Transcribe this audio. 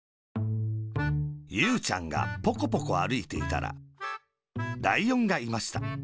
ゆうちゃんがポコポコあるいていたら、ライオンがいました。